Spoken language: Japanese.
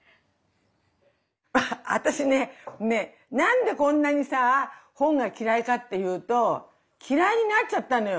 私ね何でこんなにさ本が嫌いかっていうと嫌いになっちゃったのよ。